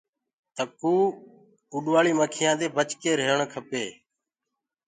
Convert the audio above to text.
تڪوُ رهيڻ کپي اُڏوآݪي مکيآنٚ دي بچي رهيڻ کپي۔